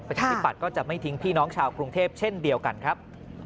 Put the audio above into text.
ประชาธิปัตยก็จะไม่ทิ้งพี่น้องชาวกรุงเทพเช่นเดียวกันครับ